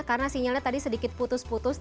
karena sinyalnya tadi sedikit putus putus